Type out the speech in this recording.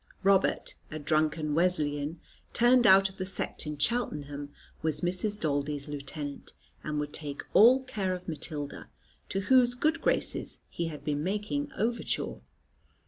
Robert, a drunken Wesleyan, turned out of the sect in Cheltenham, was Mrs. Daldy's lieutenant, and would take all care of Matilda, to whose good graces he had been making overture.